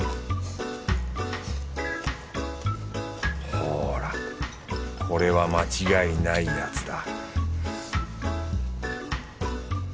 ほらこれは間違いないやつだ